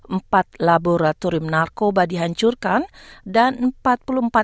empat laboratorium narkoba dihancurkan dan empat puluh empat orang